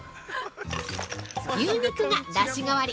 牛肉がだし代わり。